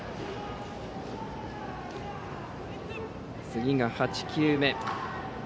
次が８球目。